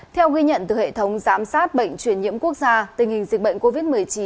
theo ghi nhận từ hệ thống giám sát bệnh truyền nhiễm quốc gia tình hình dịch bệnh covid một mươi chín